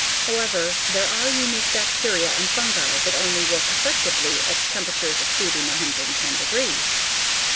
However, there are unique bacteria and fungi that only work effectively at temperatures exceeding 110 degree.